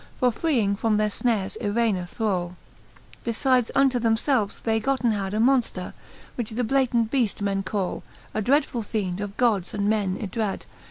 For freeing from their fnares Irena thralL Belides unto themfelves they gotten had A monfter, which the Blatant Beafi men call,. A dreadfuU feend of Gods and men ydrad.